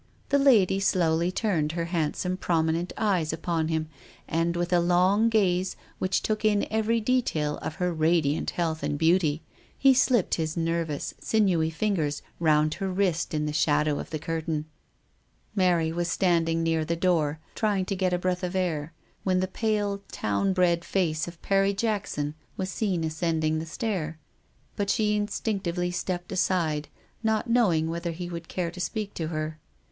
The lady slowly turned her handsome prominent eyes upon him, and, with a long gaze which took in every detail of her radiant health and beauty, he slipped his nervous, sinewy fingers round her wrist in the shadow of the curtain. Mary was standing near the door, trying to get a breath of air, when the pale, under bred face of Perry Jackson was seen ascend 288 THE STORY OF A MODERN WOMAN. ing the stair. She stepped aside, not know* ing whether he would care to speak to her.